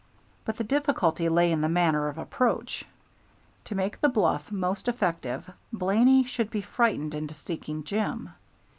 But the difficulty lay in the manner of approach. To make the bluff most effective, Blaney should be frightened into seeking Jim.